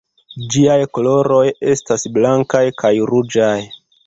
Ĝiaj koloroj estas blankaj kaj ruĝaj.